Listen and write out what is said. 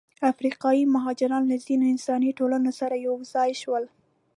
افریقایي مهاجران له ځینو انساني ټولنو سره یوځای شول.